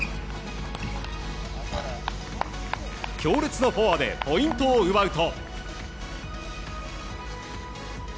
強烈なフォアでポイントを奪うと。